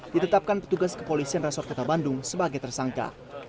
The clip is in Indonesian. ditetapkan petugas kepolisian resort kota bandung sebagai tersangka